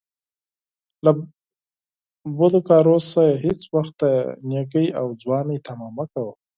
له بدکارو نه هیڅ وخت د نیکۍ او ځوانۍ طمعه مه کوه